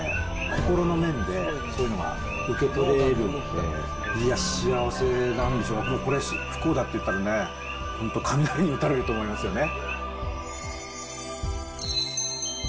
心の面で、そういうのは受け取れるので、いや、幸せなんでしょう、これ、不幸だって言ったらね、本当、雷に打たれると思いますよね。